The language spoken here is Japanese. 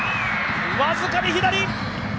僅かに左！